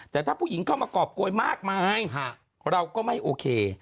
แต่ถ้าผู้หญิงเข้ามากรอบโกยมากมายเราก็ไม่โอเค